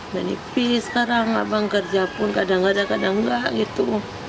dan ipi sekarang abang kerja pun kadang kadang nggak gitu